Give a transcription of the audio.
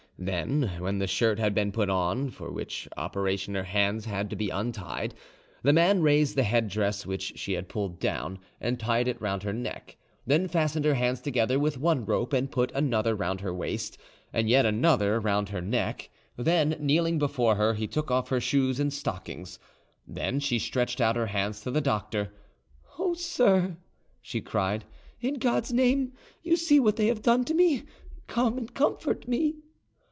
Then, when the shirt had been put on, for which operation her hands had to be untied, the man raised the headdress which she had pulled down, and tied it round her neck, then fastened her hands together with one rope and put another round her waist, and yet another round her neck; then, kneeling before her, he took off her shoes and stockings. Then she stretched out her hands to the doctor. "Oh, sir," she cried, "in God's name, you see what they have done to me! Come and comfort me."